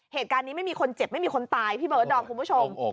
เหตุการณ์นี้ไม่มีคนเจ็บไม่มีคนตายพี่เบิร์ดดอมคุณผู้ชม